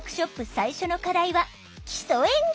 最初の課題は「基礎演技」。